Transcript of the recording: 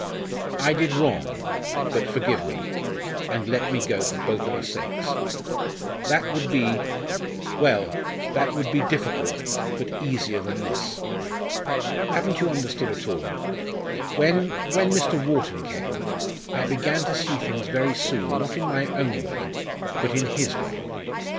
I did wrong, but forgive me, and let me go for both our sakes' that would be well! that would be difficult, but easier than this! Haven't you understood at all? When when Mr. Wharton came, I began to see things very soon, not in my own way, but in his way.